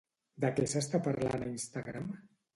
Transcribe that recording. De què s'està parlant a Instagram?